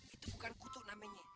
itu bukan kutu namanya